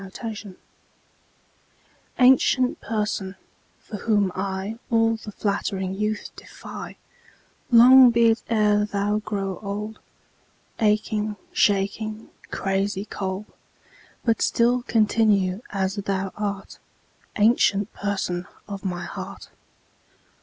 7 Autoplay Ancient Person, for whom I All the flattering youth defy, Long be it e'er thou grow old, Aching, shaking, crazy cold; But still continue as thou art, Ancient Person of my heart.